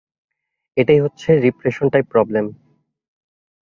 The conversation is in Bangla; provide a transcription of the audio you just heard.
এটাই হচ্ছে রিগ্রেশন টাইপ প্রবলেম।